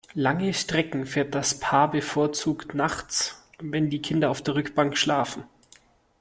Lange Strecken fährt das Paar bevorzugt nachts, wenn die Kinder auf der Rückbank schlafen.